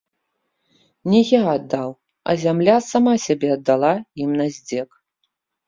Не я аддаў, а зямля сама сябе аддала ім на здзек.